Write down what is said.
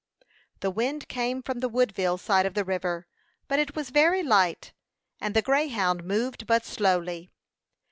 The wind came from the Woodville side of the river, but it was very light, and the Greyhound moved but slowly.